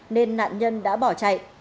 nên nạn nhân đã bỏ chạy